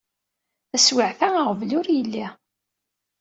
Taswiɛt-a aɣbel ur yelli.